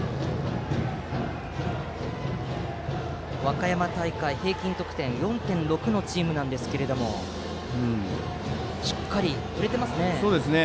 和歌山大会平均得点４．６のチームですけどしっかり振れていますね。